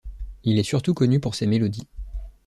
Il est surtout connu pour ses mélodies.